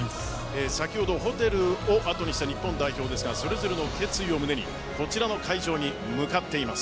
先ほどホテルを後にした日本代表ですがそれぞれの決意を胸にこちらの会場に向かっています。